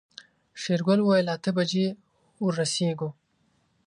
شېرګل وويل اته بجې ورسيږو.